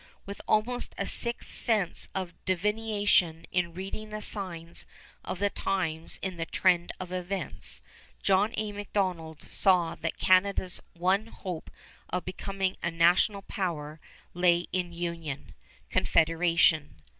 With almost a sixth sense of divination in reading the signs of the times in the trend of events, John A. Macdonald saw that Canada's one hope of becoming a national power lay in union, confederation.